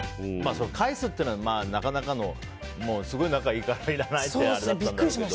返すっていうのはなかなかね、すごい仲がいいからあれだったんでしょうけど。